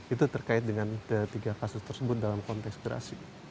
itu terkait dengan ketiga kasus tersebut dalam konteks gerasi